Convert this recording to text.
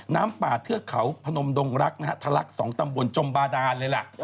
น้ำป่าเทือกเขาพนมดงรักษ์ทะลักษณ์สองตำบวนจมบาดาเลยล่ะ